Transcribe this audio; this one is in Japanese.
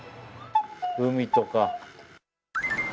海とか。